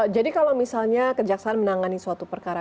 jadi kalau misalnya kejaksaan menangani suatu perkara